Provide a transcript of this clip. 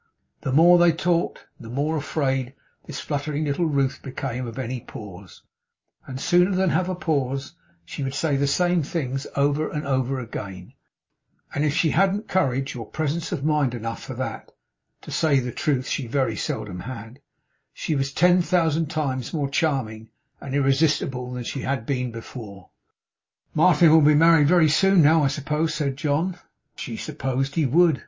The more they talked, the more afraid this fluttering little Ruth became of any pause; and sooner than have a pause she would say the same things over again; and if she hadn't courage or presence of mind enough for that (to say the truth she very seldom had), she was ten thousand times more charming and irresistible than she had been before. 'Martin will be married very soon now, I suppose?' said John. She supposed he would.